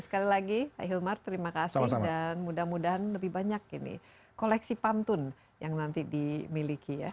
sekali lagi pak hilmar terima kasih dan mudah mudahan lebih banyak ini koleksi pantun yang nanti dimiliki ya